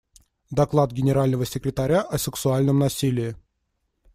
Доклад Генерального секретаря о сексуальном насилии.